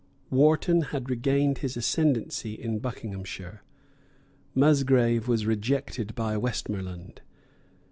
Wharton had regained his ascendency in Buckinghamshire. Musgrave was rejected by Westmoreland.